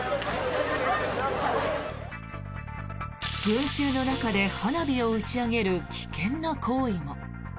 群衆の中で花火を打ち上げる危険な行為も。